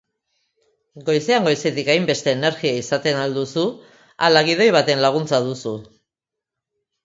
Goizean goizetik hainbeste energia izaten al duzu ala gidoi baten laguntza duzu?